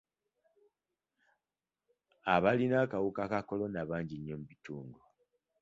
Abalina akawuka ka kolona bangi nnyo mu bitundu.